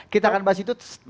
kita akan bahas itu